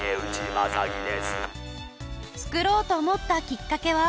作ろうと思ったきっかけは？